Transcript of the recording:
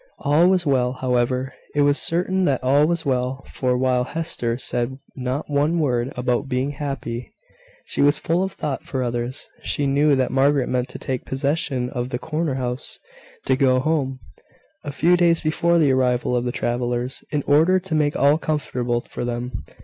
All was well, however. It was certain that all was well; for, while Hester said not one word about being happy, she was full of thought for others. She knew that Margaret meant to take possession of the corner house, to "go home," a few days before the arrival of the travellers, in order to make all comfortable for them.